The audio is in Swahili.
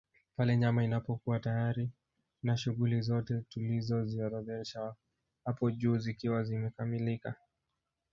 Pale nyama inapokuwa tayari na shughuli zote tulizoziorodhesha hapo juu zikiwa zimekamilika